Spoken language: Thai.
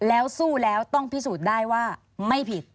แล้วสู้แล้วต้องพิสูจน์ได้ว่าไม่ผิด